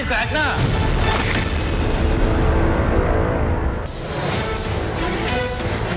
ชูวิตตีแสกหน้า